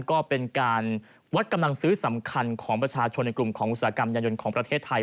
ก็เป็นการวัดกำลังซื้อสำคัญของประชาชนในกลุ่มของอุตสาหกรรมยายนต์ของประเทศไทย